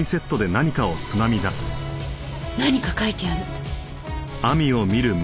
何か書いてある。